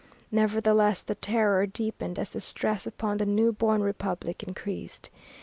Nevertheless the Terror deepened as the stress upon the new born republic increased.